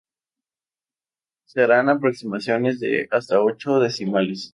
Se harán aproximaciones de hasta ocho decimales.